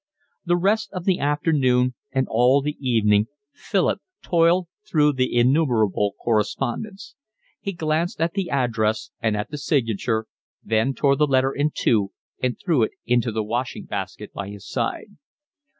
The rest of the afternoon and all the evening Philip toiled through the innumerable correspondence. He glanced at the address and at the signature, then tore the letter in two and threw it into the washing basket by his side.